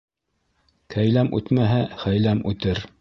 Кәйләм үтмәһә, хәйләм үтер.